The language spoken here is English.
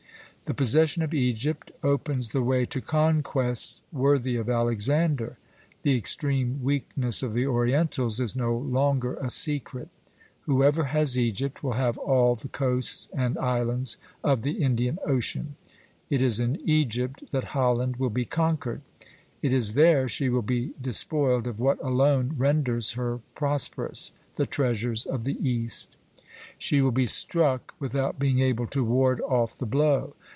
The possession of Egypt opens the way to conquests worthy of Alexander; the extreme weakness of the Orientals is no longer a secret. Whoever has Egypt will have all the coasts and islands of the Indian Ocean. It is in Egypt that Holland will be conquered; it is there she will be despoiled of what alone renders her prosperous, the treasures of the East. She will be struck without being able to ward off the blow.